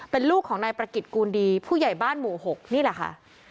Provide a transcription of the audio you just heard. เป็นลูกของนายประกิจกูลดีผู้ใหญ่บ้านหมู่๖นี่แหละค่ะ